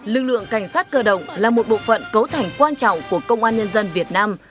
lực lượng cảnh sát cơ động là một bộ phận cấu thành quan trọng của công an nhân dân việt nam